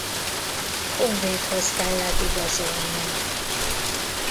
Honvédhoz kellett igazolnia.